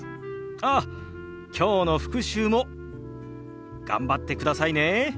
ああ今日の復習も頑張ってくださいね。